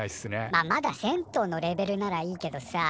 まあまだ銭湯のレベルならいいけどさ